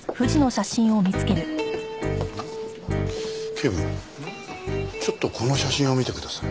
警部ちょっとこの写真を見てください。